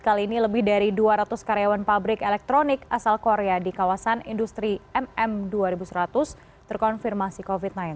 kali ini lebih dari dua ratus karyawan pabrik elektronik asal korea di kawasan industri mm dua ribu seratus terkonfirmasi covid sembilan belas